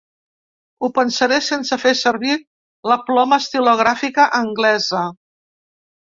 Ho pensaré sense fer servir la ploma estilogràfica anglesa.